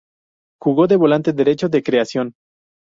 Jugó de volante derecho de creación.